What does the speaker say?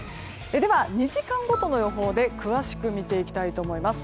では、２時間ごとの予報で詳しく見ていきたいと思います。